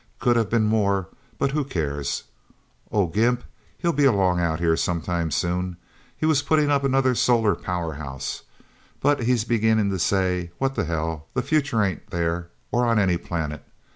Could have been more, but who cares? Oh, Gimp'll be along out here sometime, soon. He was putting up another solar powerhouse. But he's beginning to say, what the hell, the future ain't there, or on any planet...